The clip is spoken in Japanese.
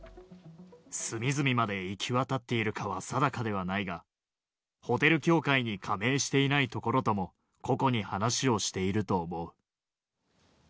隅々まで行き渡っているかは定かではないが、ホテル協会に加盟していない所とも、個々に話をしていると思う。